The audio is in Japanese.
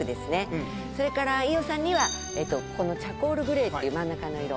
それから伊代さんにはこのチャコールグレーっていう真ん中の色。